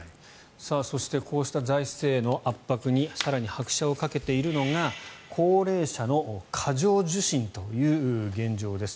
そしてこうした財政の圧迫に更に拍車をかけているのが高齢者の過剰受診という現状です。